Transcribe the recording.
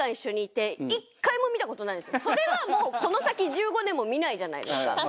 それはもうこの先１５年も見ないじゃないですか。